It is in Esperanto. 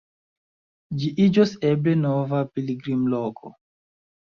Ĝi iĝos eble nova pilgrimloko.